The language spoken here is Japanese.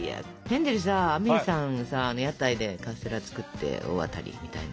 ヘンゼルさアメイさんのさあの屋台でカステラ作って大当たりみたいな。